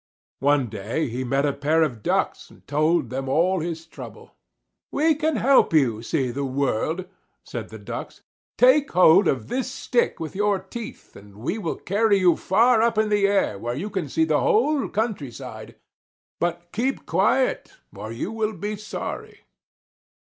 One day he met a pair of Ducks and told them all his trouble. "We can help you to see the world," said the Ducks. "Take hold of this stick with your teeth and we will carry you far up in the air where you can see the whole countryside. But keep quiet or you will be sorry."